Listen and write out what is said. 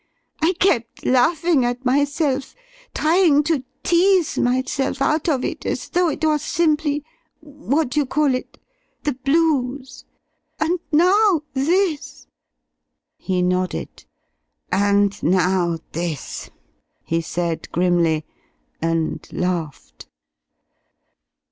I kept laughing at myself, trying to tease myself out of it, as though it were simply what you call it? the 'blues'. And now this!" He nodded. "And now this," he said, grimly, and laughed.